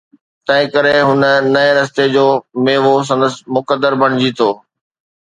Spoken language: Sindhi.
تنهنڪري هن نئين رستي جو ميوو سندس مقدر بڻجي ٿو.